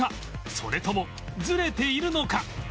それともズレているのか？